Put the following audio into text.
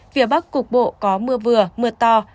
phía bắc cục bộ có mưa vừa mưa to